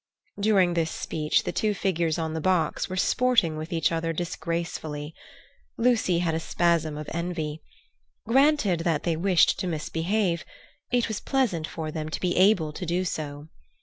During this speech the two figures on the box were sporting with each other disgracefully. Lucy had a spasm of envy. Granted that they wished to misbehave, it was pleasant for them to be able to do so.